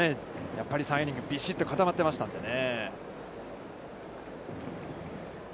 やっぱり３イニングス、びしっと固まってましたんでね